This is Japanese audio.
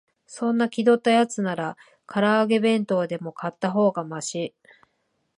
そんな気取ったやつなら、から揚げ弁当でも買ったほうがマシ